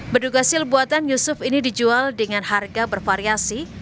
bedu gasil buatan yusuf ini dijual dengan harga bervariasi